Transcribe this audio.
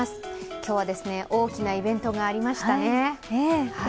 今日は大きなイベントがありましたね。